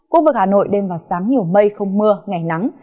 khu vực hà nội đêm và sáng nhiều mây không mưa ngày nắng